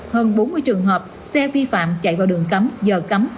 hơn bốn mươi trường hợp xe vi phạm chạy vào đường cấm giờ cấm